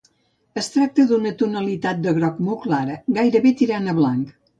Es tracta d'una tonalitat de groc molt clara, gairebé tirant a blanc.